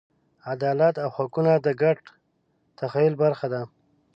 عدالت او حقونه د ګډ تخیل برخه ده.